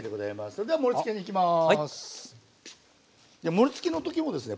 盛りつけの時もですね